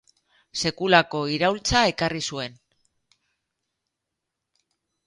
Sekulako iraultza ekarri zuen.